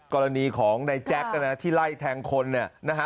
กรณีของในแจ๊คที่ไล่แทงคนเนี่ย